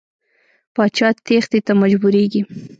پاچا تېښتې ته مجبوریږي.